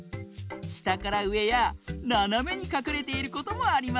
したからうえやななめにかくれていることもありますよ！